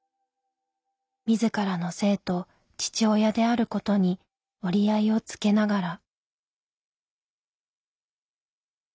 自らの性と父親であることに折り合いをつけながら。